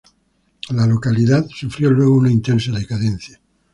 La localidad sufrió luego una intensa decadencia.